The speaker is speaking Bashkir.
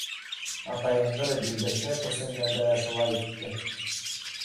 Атайымдар Билдәшкә күсенгәндә лә шулай итте.